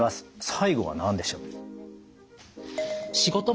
最後は何でしょう？